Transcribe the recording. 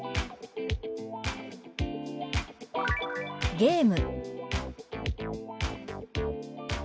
「ゲーム」。